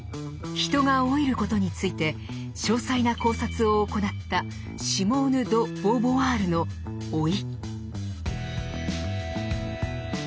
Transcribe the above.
人が老いることについて詳細な考察を行ったシモーヌ・ド・ボーヴォワールの「老い」。